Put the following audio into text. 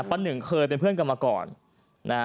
ป้าหนึ่งเคยเป็นเพื่อนกันมาก่อนนะฮะ